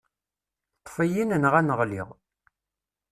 Ṭṭef-iyi-n, neɣ ad n-ɣliɣ.